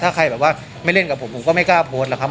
ถ้าใครแบบว่าไม่เล่นกับผมผมก็ไม่กล้าโพสต์หรอกครับ